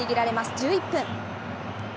１１分。